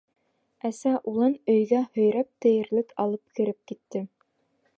Әсә улын өйгә һөйрәп тиерлек алып кереп китте.